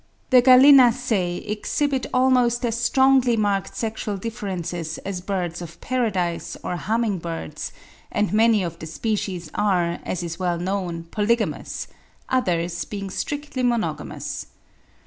The Gallinaceae exhibit almost as strongly marked sexual differences as birds of paradise or humming birds, and many of the species are, as is well known, polygamous; others being strictly monogamous.